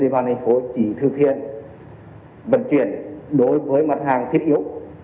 vận chuyển đối với mặt hàng thiết yếu